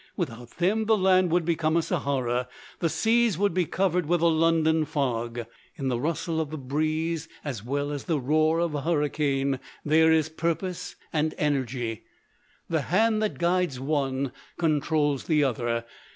Without them the land would become a Sahara; the seas would be covered with a London fog. In the rustle of the breeze, as well as in the roar of hurricane, there is purpose and energy. The hand that guides one, controls the other.